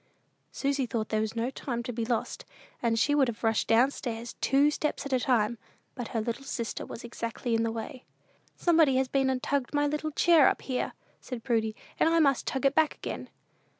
'Sh!" Susy thought there was no time to be lost, and she would have rushed down stairs, two steps at a time, but her little sister was exactly in the way. "Somebody has been and tugged my little chair up here," said Prudy, "and I must tug it back again."